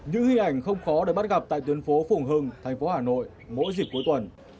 những hình ảnh không khó để bắt gặp tại tuyến phố phùng hưng thành phố hà nội mỗi dịp cuối tuần